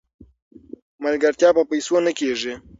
ملګرتیا په پیسو نه کیږي.